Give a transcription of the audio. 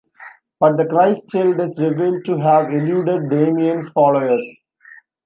But the Christ-child is revealed to have eluded Damien's followers.